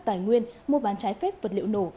tài nguyên mua bán trái phép vật liệu nổ